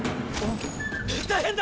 大変だ！